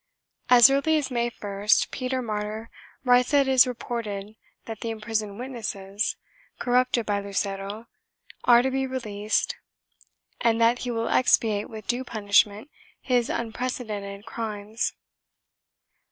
As early as May 1st, Peter Martyr writes that it is reported that the imprisoned witnesses, corrupted by Lucero, are to be released and that he will expiate with due punishment his unprecedented crimes.